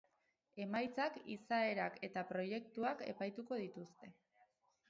Emaitzak, izaerak eta proiektuak epaituko dituzte.